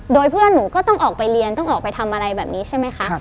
โดยเพื่อนหนูก็ต้องออกไปเรียนต้องออกไปทำอะไรแบบนี้ใช่ไหมคะ